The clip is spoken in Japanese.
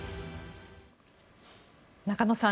中野さん